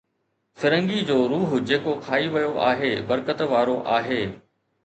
فرنگي جو روح جيڪو کائي ويو آهي، برڪت وارو آهي